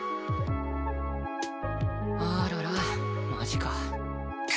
あららマジか。